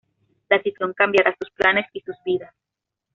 La situación cambiará sus planes y sus vidas.